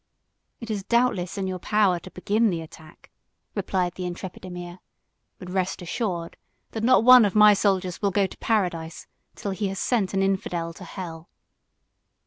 "It is doubtless in your power to begin the attack," replied the intrepid emir; "but rest assured, that not one of my soldiers will go to paradise till he has sent an infidel to hell."